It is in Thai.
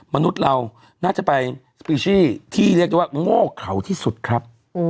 มนุษย์เราน่าจะไปที่เรียกจะว่าโง่เข้าที่สุดครับ